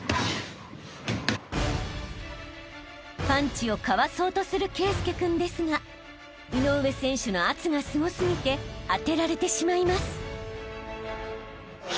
［パンチをかわそうとする圭佑君ですが井上選手の圧がすごすぎて当てられてしまいます］